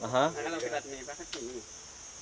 kalau buat burung